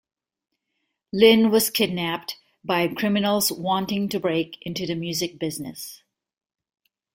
Lynn was kidnapped by criminals wanting to break into the music business.